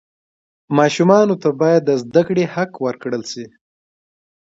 ماشومانو ته باید د زده کړې حق ورکړل سي.